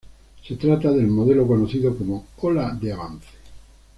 Se trata del modelo conocido como "ola de avance".